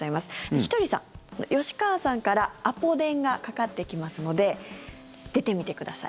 ひとりさん、吉川さんからアポ電がかかってきますのではい。